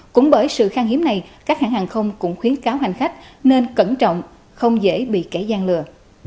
cũng bởi sự khang hiếm này các hãng hàng không cũng khuyến cáo hành khách nên cẩn trọng không dễ bị kẻ gian lừa